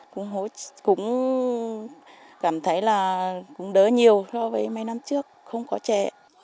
cũng cảm thấy là đỡ nhiều so với mấy năm trước không có trè